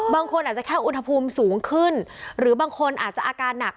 บางคนอาจจะแค่อุณหภูมิสูงขึ้นหรือบางคนอาจจะอาการหนัก